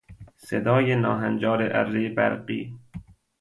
صدای ناهنجار ارهی برقی